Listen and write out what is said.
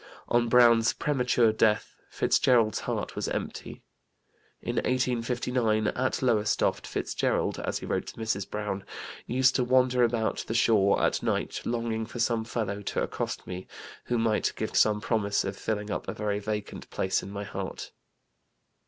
" On Browne's premature death Fitzgerald's heart was empty. In 1859 at Lowestoft, Fitzgerald, as he wrote to Mrs. Browne, "used to wander about the shore at night longing for some fellow to accost me who might give some promise of filling up a very vacant place in my heart."